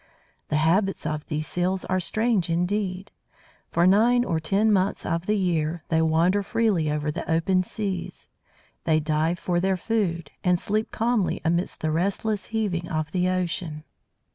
The habits of these Seals are strange indeed. For nine or ten months of the year they wander freely over the open seas. They dive for their food, and sleep calmly amidst the restless heaving of the ocean.